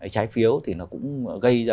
trái phiếu thì nó cũng gây ra